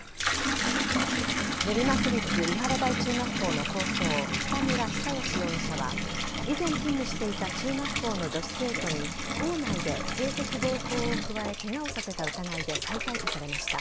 練馬区立三原台中学校の校長北村比佐嘉容疑者は以前勤務していた中学校の女子生徒に校内で性的暴行を加えケガをさせた疑いで再逮捕されました。